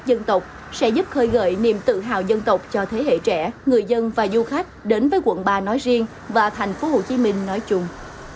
dân tộc sẽ giúp khơi gợi niềm tự hào dân tộc cho thế hệ trẻ người dân và du khách đến với quận ba nói riêng và thành phố hồ chí minh nói chung